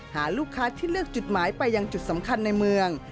หาลูกค้าที่เลือกจุดหมายไปยังจุดสำคัญในเมือง